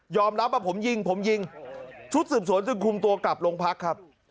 รับว่าผมยิงผมยิงชุดสืบสวนจึงคุมตัวกลับลงพักครับ